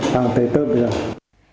phang thấy tớp rồi